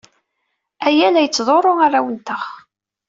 Aya la yettḍurru arraw-nteɣ.